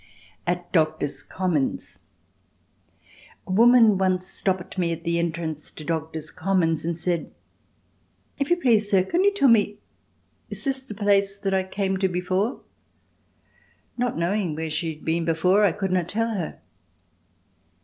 At Doctors' Commons A woman once stopped me at the entrance to Doctors' Commons and said: "If you please, sir, can you tell me—is this the place that I came to before?" Not knowing where she had been before I could not tell her.